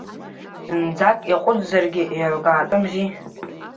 Зынӡак иаҟәыҵзаргьы еилкаатәымзи.